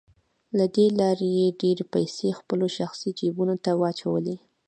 له دې لارې يې ډېرې پيسې خپلو شخصي جيبونو ته اچولې.